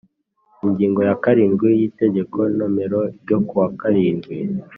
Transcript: Ingingo ya karindwi y Itegeko nomera ryo ku wa karindwi